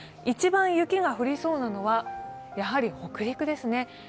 一番雪が降りそうなのはやはり北陸ですね。